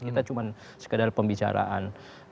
kita cuma sekadar pembicaraan